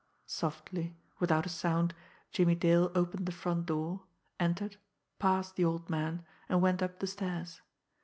Softly, without a sound, Jimmie Dale opened the front door, entered, passed the old man, and went up the stairs.